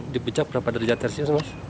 dipecak berapa derajat celcius mas